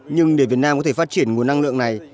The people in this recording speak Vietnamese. nhưng để việt nam có thể phát triển nguồn năng lượng này